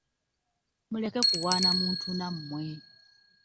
Muleke kuwaana muntu nammwe.